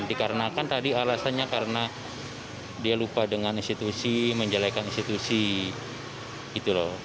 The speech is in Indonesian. dikarenakan tadi alasannya karena dia lupa dengan institusi menjelekan institusi gitu loh